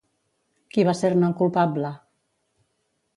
Qui va ser-ne el culpable?